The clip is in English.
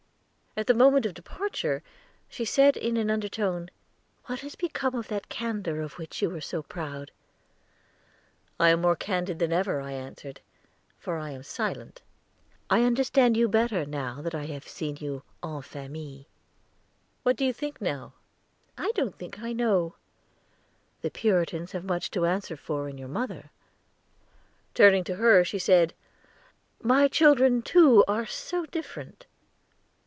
At the moment of departure, she said in an undertone: "What has become of that candor of which you were so proud?" "I am more candid than ever," I answered, "for I am silent." "I understand you better, now that I have seen you en famille." "What do you think now?" "I don't think I know; the Puritans have much to answer for in your mother " Turning to her she said, "My children, too, are so different."